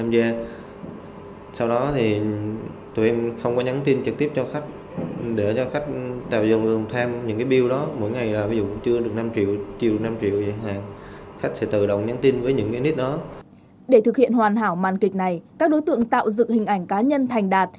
để thực hiện hoàn hảo màn kịch này các đối tượng tạo dựng hình ảnh cá nhân thành đạt